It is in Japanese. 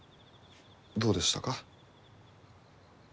どうでしたか？